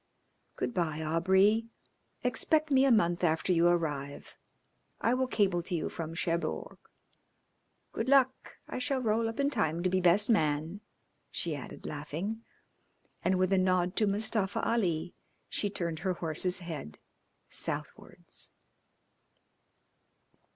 "Good bye, Aubrey. Expect me a month after you arrive. I will cable to you from Cherbourg. Good luck! I shall roll up in time to be best man," she added, laughing, and with a nod to Mustafa Ali she turned her horse's head southwards.